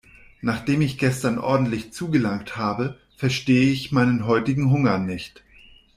Nachdem ich gestern ordentlich zugelangt habe, verstehe ich meinen heutigen Hunger nicht.